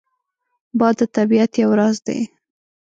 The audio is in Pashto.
باد د طبیعت یو راز دی